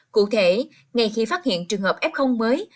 cụ thể ngay khi phát hiện trường hợp f mới